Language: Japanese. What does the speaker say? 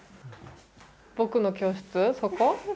僕の教室そこ？